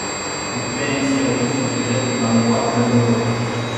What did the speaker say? Lupin et Sirius se jettent dans les bras l'un de l'autre.